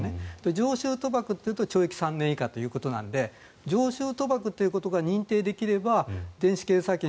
常習賭博というと懲役３年以下ということなので常習賭博ということが認定できれば電子計算機